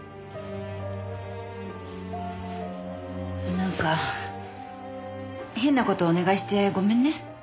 なんか変な事お願いしてごめんね。